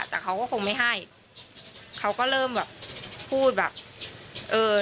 แต่เขาก็คงไม่ให้เขาก็เริ่มแบบพูดแบบเออ